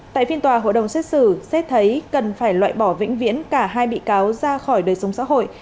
tại phiên tòa hội đồng xét xử xét thấy cần phải loại bỏ vĩnh viễn cả hai bị cáo ra khỏi đời sống xã hội